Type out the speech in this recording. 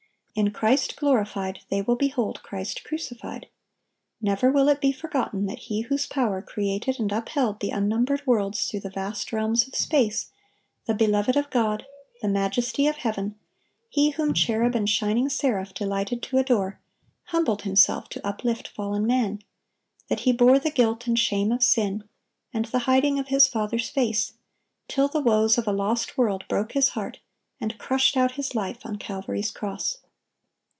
In Christ glorified they will behold Christ crucified. Never will it be forgotten that He whose power created and upheld the unnumbered worlds through the vast realms of space, the Beloved of God, the Majesty of heaven, He whom cherub and shining seraph delighted to adore,—humbled Himself to uplift fallen man; that He bore the guilt and shame of sin, and the hiding of His Father's face, till the woes of a lost world broke His heart, and crushed out His life on Calvary's cross.